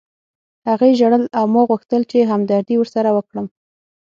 هغې ژړل او ما غوښتل چې همدردي ورسره وکړم